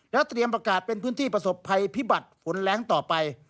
เตรียมประกาศเป็นพื้นที่ประสบภัยพิบัติฝนแรงต่อไป